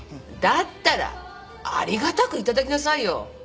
だったらありがたく頂きなさいよ。